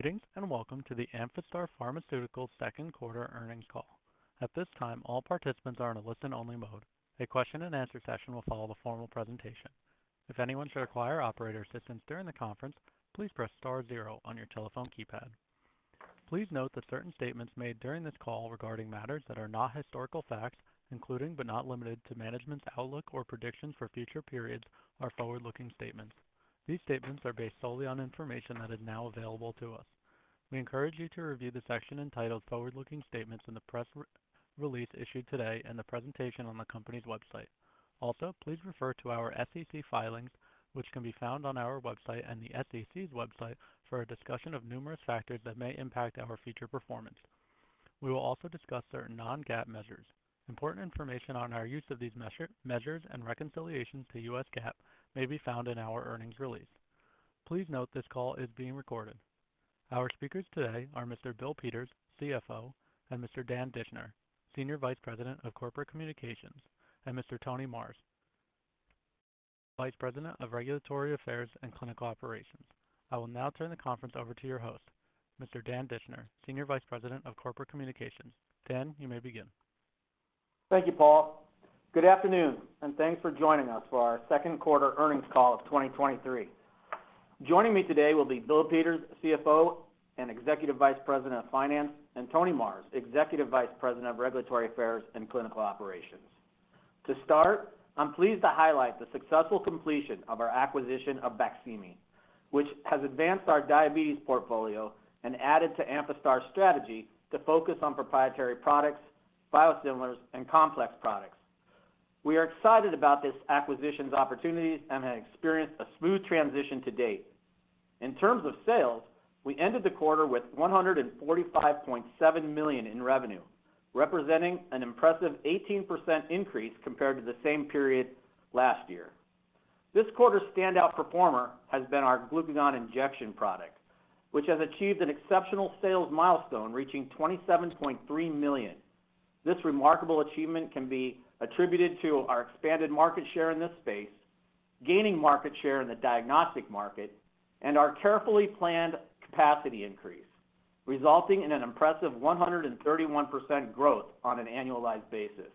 Greetings, and welcome to the Amphastar Pharmaceuticals second quarter earnings call. At this time, all participants are in a listen-only mode. A question-and-answer session will follow the formal presentation. If anyone should require operator assistance during the conference, please press star 0 on your telephone keypad. Please note that certain statements made during this call regarding matters that are not historical facts, including but not limited to management's outlook or predictions for future periods, are forward-looking statements. These statements are based solely on information that is now available to us. We encourage you to review the section entitled "Forward-Looking Statements" in the press re-release issued today and the presentation on the company's website. Please refer to our SEC filings, which can be found on our website and the SEC's website, for a discussion of numerous factors that may impact our future performance. We will also discuss certain non-GAAP measures. Important information on our use of these measures and reconciliations to US GAAP may be found in our earnings release. Please note this call is being recorded. Our speakers today are Mr. Bill Peters, CFO, and Mr. Dan Dischner, Senior Vice President of Corporate Communications, and Mr. Tony Marrs, Vice President of Regulatory Affairs and Clinical Operations. I will now turn the conference over to your host, Mr. Dan Dischner, Senior Vice President of Corporate Communications. Dan, you may begin. Thank you, Paul. Good afternoon, and thanks for joining us for our second quarter earnings call of 2023. Joining me today will be Bill Peters, CFO and Executive Vice President of Finance, and Tony Marrs, Executive Vice President of Regulatory Affairs and Clinical Operations. To start, I'm pleased to highlight the successful completion of our acquisition of BAQSIMI, which has advanced our diabetes portfolio and added to Amphastar's strategy to focus on proprietary products, biosimilars, and complex products. We are excited about this acquisition's opportunities and have experienced a smooth transition to date. In terms of sales, we ended the quarter with $145.7 million in revenue, representing an impressive 18% increase compared to the same period last year. This quarter's standout performer has been our Glucagon injection product, which has achieved an exceptional sales milestone, reaching $27.3 million. This remarkable achievement can be attributed to our expanded market share in this space, gaining market share in the diagnostic market, and our carefully planned capacity increase, resulting in an impressive 131% growth on an annualized basis.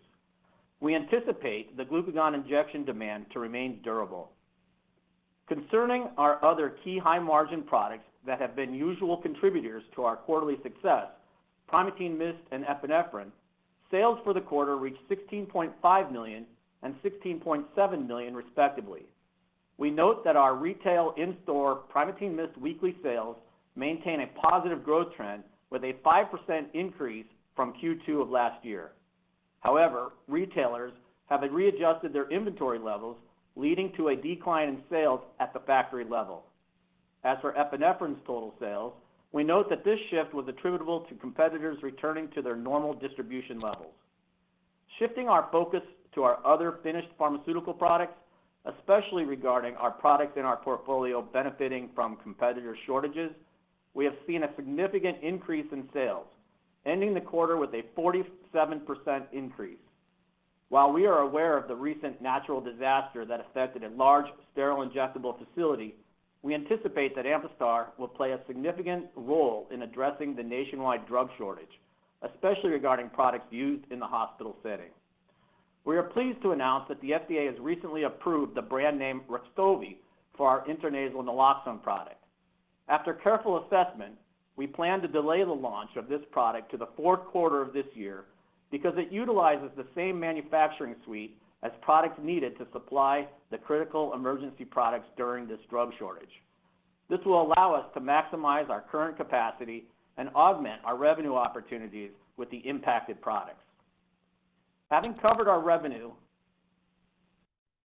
We anticipate the Glucagon injection demand to remain durable. Concerning our other key high-margin products that have been usual contributors to our quarterly success, Primatene MIST and Epinephrine, sales for the quarter reached $16.5 million and $16.7 million, respectively. We note that our retail in-store Primatene MIST weekly sales maintain a positive growth trend, with a 5% increase from Q2 of last year. Retailers have readjusted their inventory levels, leading to a decline in sales at the factory level. As for Epinephrine's total sales, we note that this shift was attributable to competitors returning to their normal distribution levels. Shifting our focus to our other finished pharmaceutical products, especially regarding our products in our portfolio benefiting from competitor shortages, we have seen a significant increase in sales, ending the quarter with a 47% increase. While we are aware of the recent natural disaster that affected a large sterile injectable facility, we anticipate that Amphastar will play a significant role in addressing the nationwide drug shortage, especially regarding products used in the hospital setting. We are pleased to announce that the FDA has recently approved the brand name REXTOVY for our intranasal naloxone product. After careful assessment, we plan to delay the launch of this product to the 4th quarter of this year because it utilizes the same manufacturing suite as products needed to supply the critical emergency products during this drug shortage. This will allow us to maximize our current capacity and augment our revenue opportunities with the impacted products. Having covered our revenue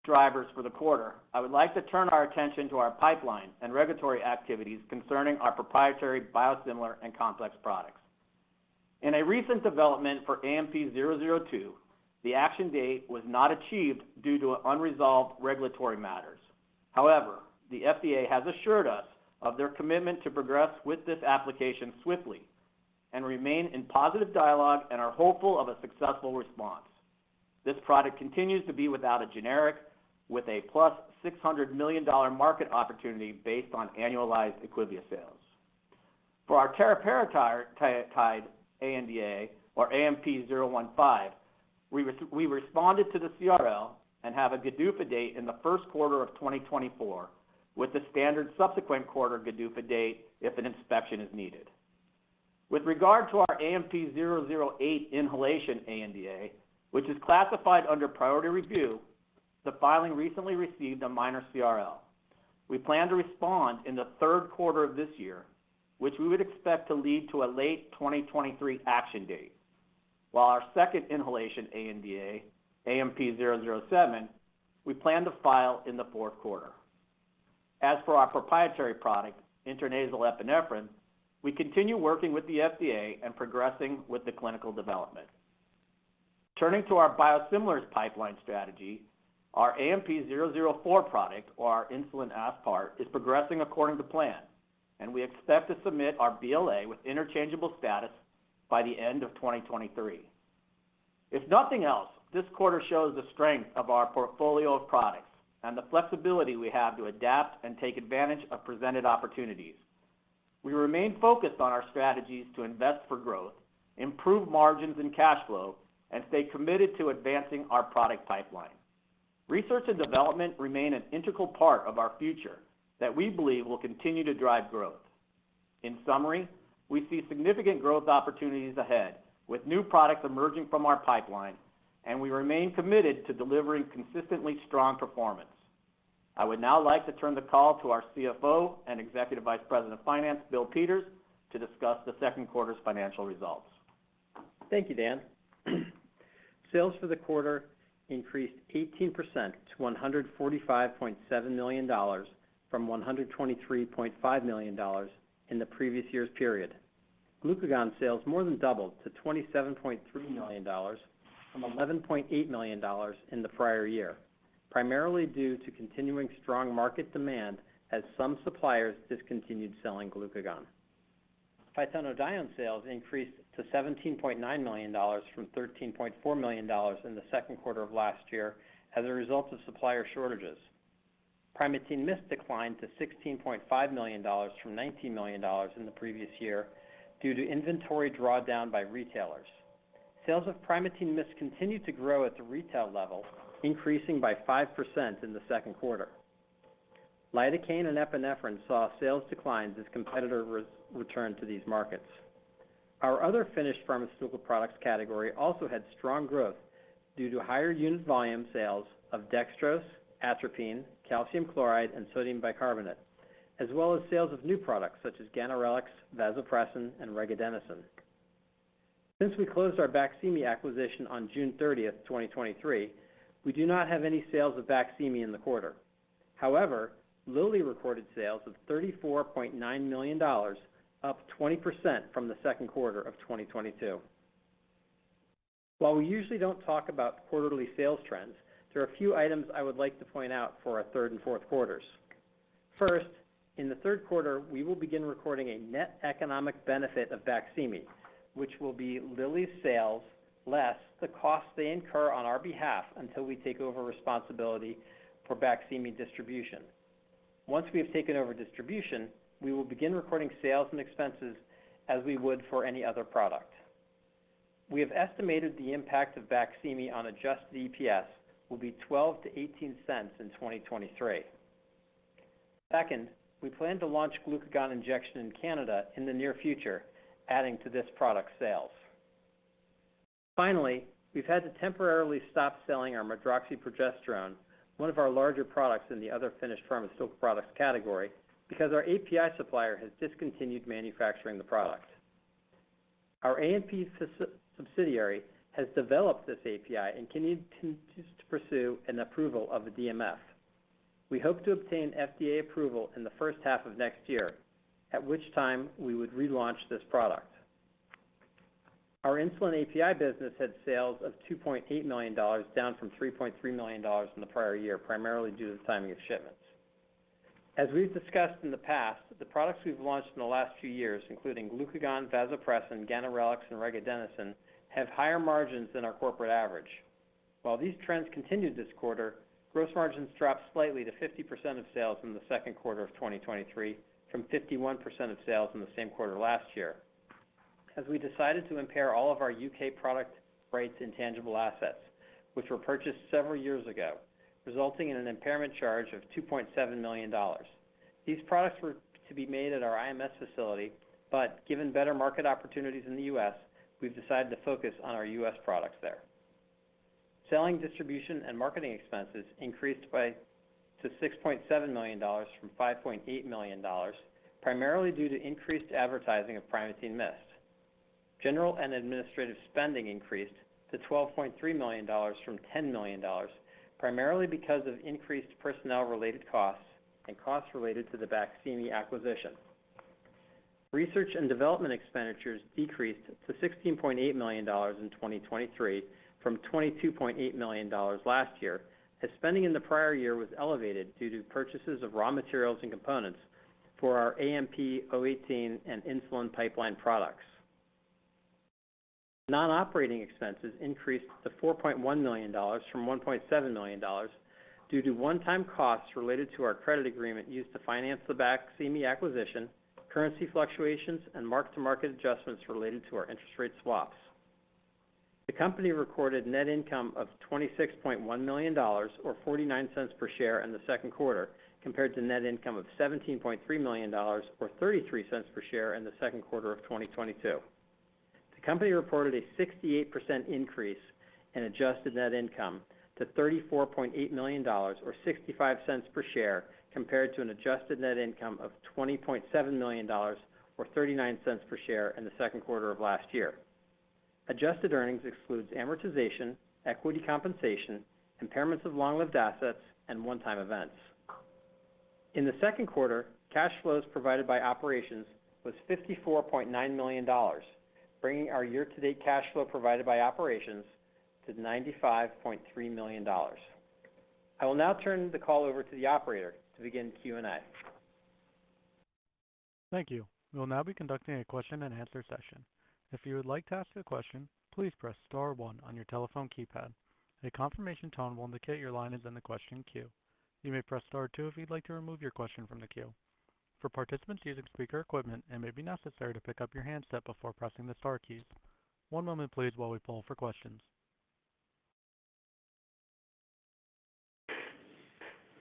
drivers for the quarter, I would like to turn our attention to our pipeline and regulatory activities concerning our proprietary biosimilar and complex products. In a recent development for AMP-002, the action date was not achieved due to unresolved regulatory matters. The FDA has assured us of their commitment to progress with this application swiftly and remain in positive dialogue and are hopeful of a successful response. This product continues to be without a generic, with a +$600 million market opportunity based on annualized IQVIA sales. For our Teriparatide ANDA, or AMP-015, we responded to the CRL and have a GDUFA date in the 1st quarter of 2024, with the standard subsequent quarter GDUFA date if an inspection is needed. With regard to our AMP-008 inhalation ANDA, which is classified under priority review, the filing recently received a minor CRL. We plan to respond in the 3rd quarter of this year, which we would expect to lead to a late 2023 action date. While our second inhalation ANDA, AMP-007, we plan to file in the 4th quarter. As for our proprietary product, intranasal epinephrine, we continue working with the FDA and progressing with the clinical development. Turning to our biosimilars pipeline strategy, our AMP-004 product, or our insulin aspart, is progressing according to plan, and we expect to submit our BLA with interchangeable status by the end of 2023. If nothing else, this quarter shows the strength of our portfolio of products and the flexibility we have to adapt and take advantage of presented opportunities. We remain focused on our strategies to invest for growth, improve margins and cash flow, and stay committed to advancing our product pipeline. Research and development remain an integral part of our future that we believe will continue to drive growth. In summary, we see significant growth opportunities ahead with new products emerging from our pipeline, and we remain committed to delivering consistently strong performance. I would now like to turn the call to our CFO and Executive Vice President of Finance, Bill Peters, to discuss the second quarter's financial results. Thank you, Dan. Sales for the quarter increased 18% to $145.7 million, from $123.5 million in the previous year's period. Glucagon sales more than doubled to $27.3 million from $11.8 million in the prior year, primarily due to continuing strong market demand as some suppliers discontinued selling Glucagon. Phytonadione sales increased to $17.9 million from $13.4 million in the second quarter of last year as a result of supplier shortages. Primatene MIST declined to $16.5 million from $19 million in the previous year due to inventory drawdown by retailers. Sales of Primatene MIST continued to grow at the retail level, increasing by 5% in the second quarter. Lidocaine and Epinephrine saw sales declines as competitor re-returned to these markets. Our other finished pharmaceutical products category also had strong growth due to higher unit volume sales of dextrose, atropine, calcium chloride, and sodium bicarbonate, as well as sales of new products such as Ganirelix, Vasopressin, and Regadenoson. Since we closed our BAQSIMI acquisition on June 30th, 2023, we do not have any sales of BAQSIMI in the quarter. Lilly recorded sales of $34.9 million, up 20% from the second quarter of 2022. While we usually don't talk about quarterly sales trends, there are a few items I would like to point out for our third and fourth quarters. First, in the third quarter, we will begin recording a net economic benefit of BAQSIMI, which will be Lilly's sales less the cost they incur on our behalf until we take over responsibility for BAQSIMI distribution. Once we have taken over distribution, we will begin recording sales and expenses as we would for any other product. We have estimated the impact of BAQSIMI on adjusted EPS will be $0.12-$0.18 in 2023. Second, we plan to launch glucagon injection in Canada in the near future, adding to this product sales. Finally, we've had to temporarily stop selling our medroxyprogesterone, one of our larger products in the other finished pharmaceutical products category, because our API supplier has discontinued manufacturing the product. Our ANP subsidiary has developed this API and continues to pursue an approval of a DMF. We hope to obtain FDA approval in the first half of next year, at which time we would relaunch this product. Our insulin API business had sales of $2.8 million, down from $3.3 million in the prior year, primarily due to the timing of shipments. As we've discussed in the past, the products we've launched in the last few years, including Glucagon, Vasopressin, Ganirelix, and Regadenoson, have higher margins than our corporate average. While these trends continued this quarter, gross margins dropped slightly to 50% of sales in the second quarter of 2023 from 51% of sales in the same quarter last year. We decided to impair all of our U.K. product rights and tangible assets, which were purchased several years ago, resulting in an impairment charge of $2.7 million. These products were to be made at our IMS facility, but given better market opportunities in the U.S., we've decided to focus on our U.S. products there. Selling, distribution and marketing expenses increased to $6.7 million from $5.8 million, primarily due to increased advertising of Primatene Mist. General and administrative spending increased to $12.3 million from $10 million, primarily because of increased personnel-related costs and costs related to the BAQSIMI acquisition. Research and development expenditures decreased to $16.8 million in 2023 from $22.8 million last year, as spending in the prior year was elevated due to purchases of raw materials and components for our AMP-018 and insulin pipeline products. Non-operating expenses increased to $4.1 million from $1.7 million due to one-time costs related to our credit agreement used to finance the BAQSIMI acquisition, currency fluctuations, and mark-to-market adjustments related to our interest rate swaps. The company recorded net income of $26.1 million or $0.49 per share in the second quarter, compared to net income of $17.3 million or $0.33 per share in the second quarter of 2022. The company reported a 68% increase in adjusted net income to $34.8 million or $0.65 per share, compared to an adjusted net income of $20.7 million or $0.39 per share in the second quarter of last year. Adjusted earnings excludes amortization, equity compensation, impairments of long-lived assets, and one-time events. In the second quarter, cash flows provided by operations was $54.9 million, bringing our year-to-date cash flow provided by operations to $95.3 million. I will now turn the call over to the operator to begin Q&A. Thank you. We will now be conducting a question-and-answer session. If you would like to ask a question, please press star one on your telephone keypad. A confirmation tone will indicate your line is in the question queue. You may press star two if you'd like to remove your question from the queue. For participants using speaker equipment, it may be necessary to pick up your handset before pressing the star keys. One moment please, while we poll for questions.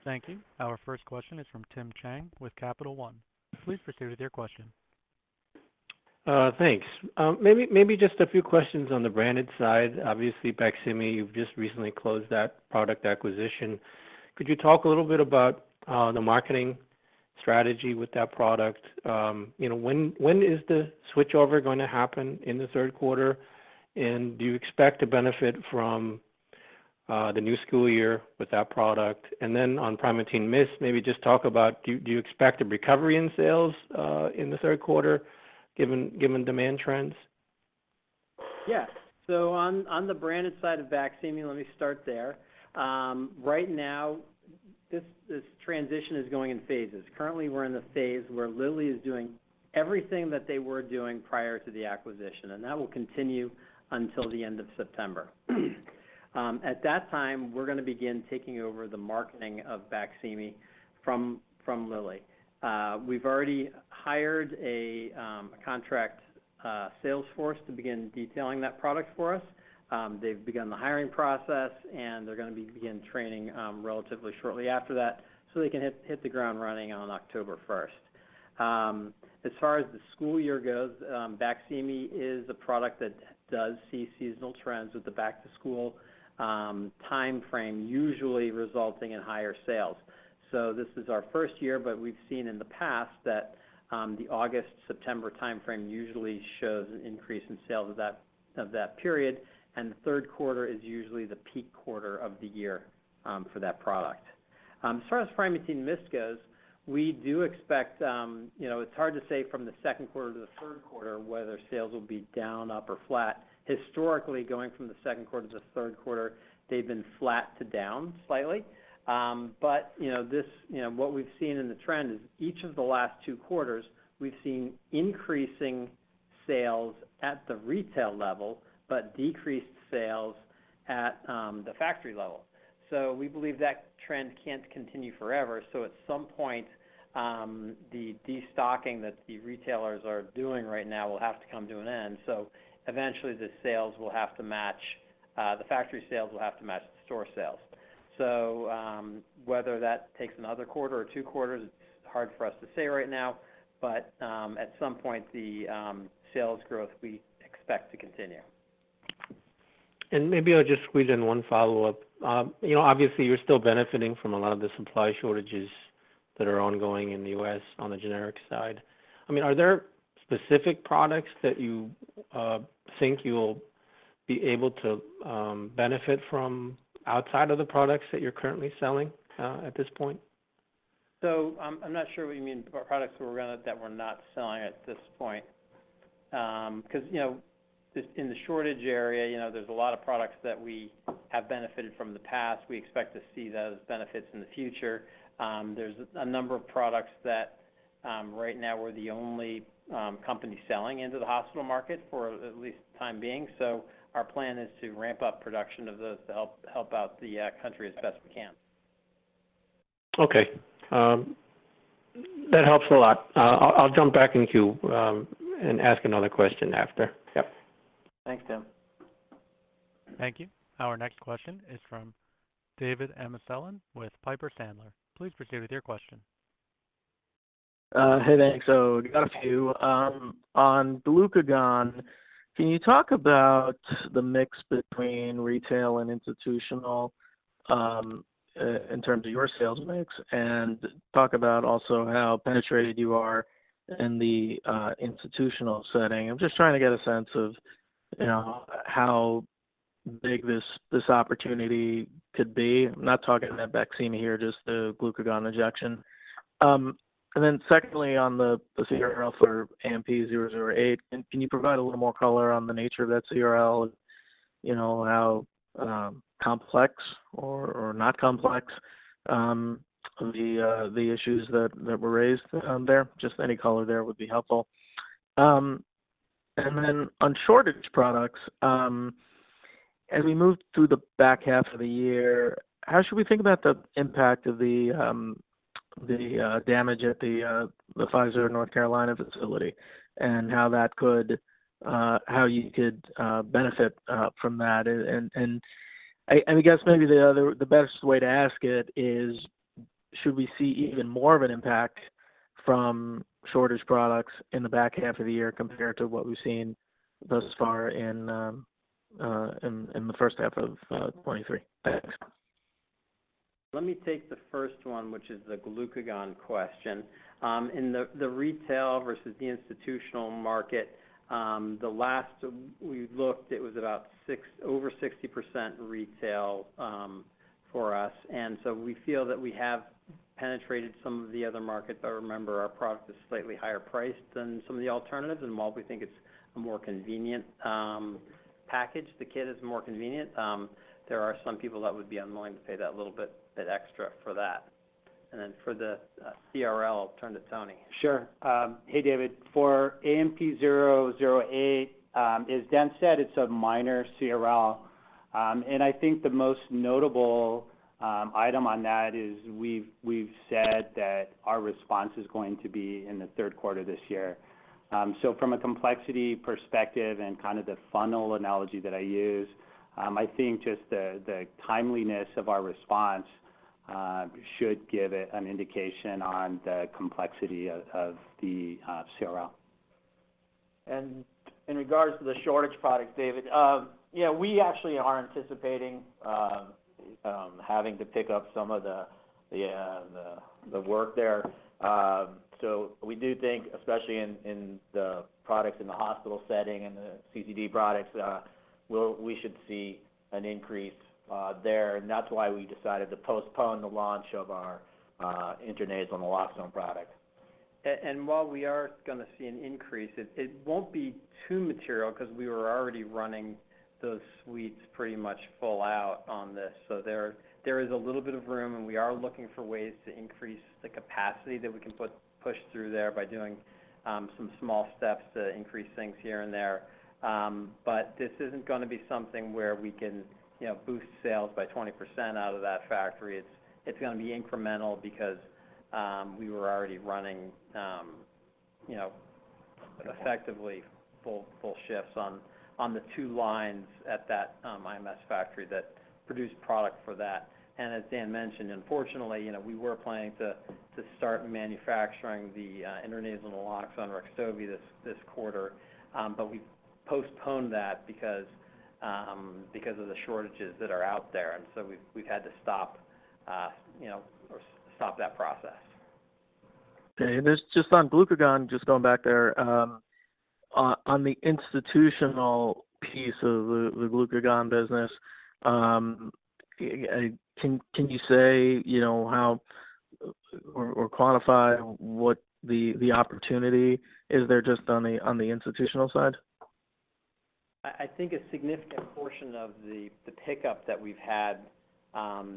Thank you. Our first question is from Tim Chiang with Capital One. Please proceed with your question. Thanks. Maybe, maybe just a few questions on the branded side. Obviously, BAQSIMI, you've just recently closed that product acquisition. Could you talk a little bit about the marketing strategy with that product? You know, when, when is the switchover going to happen in the third quarter? Do you expect to benefit from the new school year with that product? On Primatene Mist, maybe just talk about, do you, do you expect a recovery in sales in the third quarter, given, given demand trends? Yes. On, on the branded side of BAQSIMI, let me start there. Right now, this, this transition is going in phases. Currently, we're in the phase where Lilly is doing everything that they were doing prior to the acquisition, and that will continue until the end of September. At that time, we're going to begin taking over the marketing of BAQSIMI from, from Lilly. We've already hired a contract sales force to begin detailing that product for us. They've begun the hiring process, and they're going to be begin training relatively shortly after that, so they can hit, hit the ground running on October first. As far as the school year goes, BAQSIMI is a product that does see seasonal trends with the back-to-school timeframe, usually resulting in higher sales. This is our first year, but we've seen in the past that, the August, September timeframe usually shows an increase in sales of that, of that period, and the third quarter is usually the peak quarter of the year, for that product. As far as Primatene Mist goes, we do expect. You know, it's hard to say from the second quarter to the third quarter, whether sales will be down, up, or flat. Historically, going from the second quarter to the third quarter, they've been flat to down slightly. You know, this, you know, what we've seen in the trend is each of the last two quarters, we've seen increasing sales at the retail level, but decreased sales at, the factory level. We believe that trend can't continue forever, so at some point, the destocking that the retailers are doing right now will have to come to an end. Eventually, the sales will have to match, the factory sales will have to match the store sales. Whether that takes another quarter or two quarters, it's hard for us to say right now, but, at some point the sales growth, we expect to continue. Maybe I'll just squeeze in one follow-up. You know, obviously, you're still benefiting from a lot of the supply shortages that are ongoing in the U.S. on the generic side. I mean, are there specific products that you think you'll be able to benefit from outside of the products that you're currently selling at this point? I'm, I'm not sure what you mean, our products that we're that we're not selling at this point. Because, you know, just in the shortage area, you know, there's a lot of products that we have benefited from in the past. We expect to see those benefits in the future. There's a number of products that right now we're the only company selling into the hospital market for at least the time being. Our plan is to ramp up production of those to help, help out the country as best we can. Okay. That helps a lot. I'll jump back in the queue, and ask another question after. Yep. Thanks, Tim. Thank you. Our next question is from David Amsellem with Piper Sandler. Please proceed with your question. Hey, thanks. Got a few. On Glucagon, can you talk about the mix between retail and institutional in terms of your sales mix, and talk about also how penetrated you are in the institutional setting? I'm just trying to get a sense of, you know, how big this, this opportunity could be. I'm not talking about BAQSIMI here, just the Glucagon injection. Then secondly, on the CRL for ANP-008, can, can you provide a little more color on the nature of that CRL? You know, how complex or, or not complex, the issues that, that were raised there? Just any color there would be helpful. On shortage products, as we move through the back half of the year, how should we think about the impact of the damage at the Pfizer North Carolina facility, and how that could how you could benefit from that? I guess maybe the best way to ask it is, should we see even more of an impact from shortage products in the back half of the year compared to what we've seen thus far in the first half of 2023? Thanks. Let me take the first one, which is the Glucagon question. In the, the retail versus the institutional market, the last we looked, it was about over 60% retail, for us, and so we feel that we have penetrated some of the other markets. Remember, our product is slightly higher priced than some of the alternatives, and while we think it's a more convenient, package, the kit is more convenient, there are some people that would be unwilling to pay that little bit extra for that. Then for the CRL, I'll turn to Tony. Sure. Hey, David. For AMP-008, as Dan said, it's a minor CRL. I think the most notable item on that is we've, we've said that our response is going to be in the third quarter this year. From a complexity perspective and kind of the funnel analogy that I use, I think just the, the timeliness of our response, should give it an indication on the complexity of, of the, CRL. In regards to the shortage products, David, yeah, we actually are anticipating, having to pick up some of the work there. We do think, especially in, in the products in the hospital setting and the CCD products, we should see an increase there. That's why we decided to postpone the launch of our intranasal naloxone product. While we are gonna see an increase, it won't be too material 'cause we were already running those suites pretty much full out on this. There, there is a little bit of room, and we are looking for ways to increase the capacity that we can push through there by doing some small steps to increase things here and there. But this isn't gonna be something where we can, you know, boost sales by 20% out of that factory. It's, it's gonna be incremental because we were already running, you know, effectively full, full shifts on the two lines at that IMS factory that produced product for that. As Dan mentioned, unfortunately, you know, we were planning to, to start manufacturing the intranasal naloxone Rexulti this, this quarter. We postponed that because, because of the shortages that are out there, and so we've, we've had to stop, you know, or stop that process. Okay, just on Glucagon, just going back there, on the institutional piece of the, the Glucagon business, can, can you say, you know, how or, or quantify what the, the opportunity is there just on the, on the institutional side? I, I think a significant portion of the, the pickup that we've had,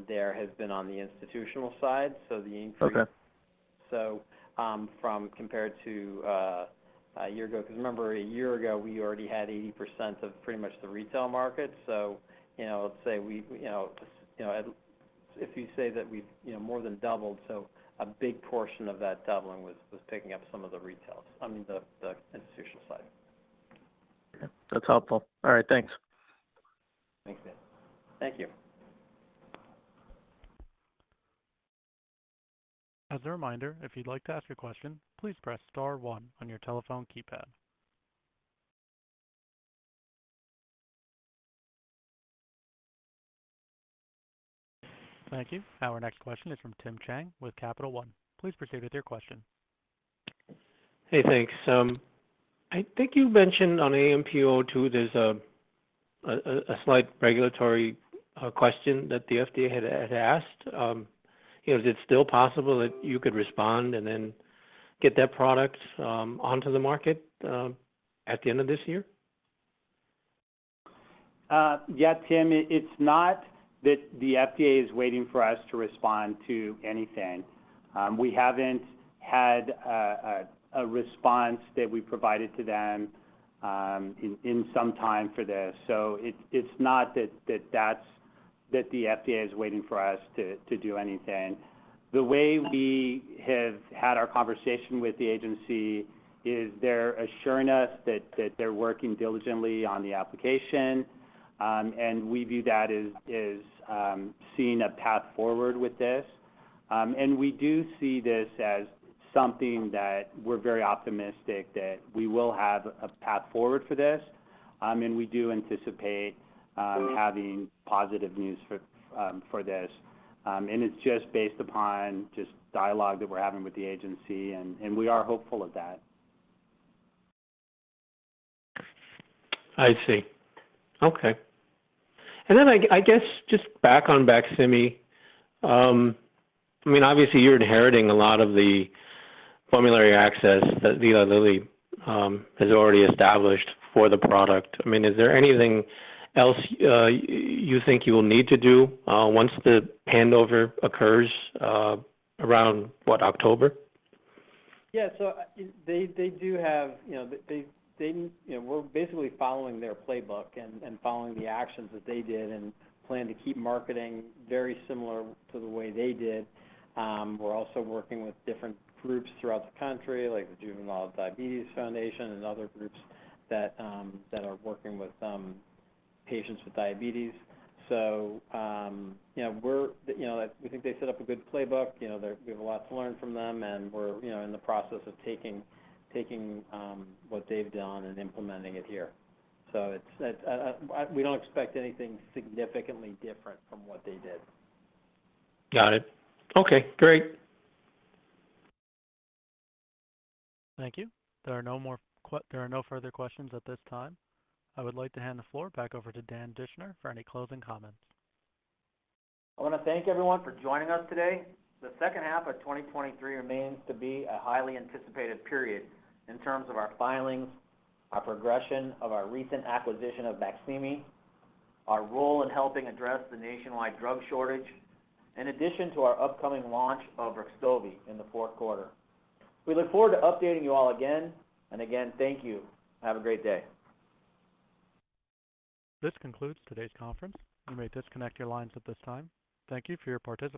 there has been on the institutional side, so the increase. Okay. From compared to a year ago, 'cause remember, a year ago, we already had 80% of pretty much the retail market. You know, let's say we, you know, you know, if you say that we've, you know, more than doubled, so a big portion of that doubling was, was picking up some of the retails, I mean, the, the institutional side. Okay, that's helpful. All right, thanks. Thanks, Dan. Thank you. As a reminder, if you'd like to ask a question, please press star one on your telephone keypad. Thank you. Our next question is from Tim Chiang with Capital One. Please proceed with your question. Hey, thanks. I think you mentioned on AMP-002, there's a slight regulatory question that the FDA had asked. you know, is it still possible that you could respond and then get that product onto the market at the end of this year? Yeah, Tim, it's not that the FDA is waiting for us to respond to anything. We haven't had a, a, a response that we provided to them, in, in some time for this. It's not that, that, that the FDA is waiting for us to, to do anything. The way we have had our conversation with the agency is they're assuring us that, that they're working diligently on the application, and we view that as, as, seeing a path forward with this. We do see this as something that we're very optimistic that we will have a path forward for this. We do anticipate having positive news for, for this. It's just based upon just dialogue that we're having with the agency, and, and we are hopeful of that. I see. Okay. Then I, I guess, just back on BAQSIMI. I mean, obviously, you're inheriting a lot of the formulary access that Eli Lilly has already established for the product. I mean, is there anything else you think you will need to do once the handover occurs around, what, October? Yeah, they do have, you know, You know, we're basically following their playbook and following the actions that they did and plan to keep marketing very similar to the way they did. We're also working with different groups throughout the country, like the Juvenile Diabetes Research Foundation and other groups that are working with patients with diabetes. You know, we're, you know, we think they set up a good playbook. You know, we have a lot to learn from them, and we're, you know, in the process of taking, taking what they've done and implementing it here. We don't expect anything significantly different from what they did. Got it. Okay, great. Thank you. There are no further questions at this time. I would like to hand the floor back over to Dan Dischner for any closing comments. I want to thank everyone for joining us today. The second half of 2023 remains to be a highly anticipated period in terms of our filings, our progression of our recent acquisition of BAQSIMI, our role in helping address the nationwide drug shortage, in addition to our upcoming launch of Rexulti in the fourth quarter. We look forward to updating you all again and again, thank you. Have a great day. This concludes today's conference. You may disconnect your lines at this time. Thank you for your participation.